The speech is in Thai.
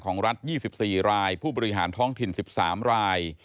ของรัฐ๒๔รายผู้บริหารท้องถิ่น๑๓ราย